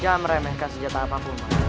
jangan meremehkan senjata apapun